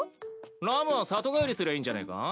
ラムは里帰りすりゃいいんじゃねぇか？